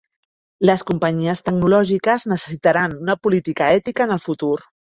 Les companyies tecnològiques necessitaran una política ètica en el futur.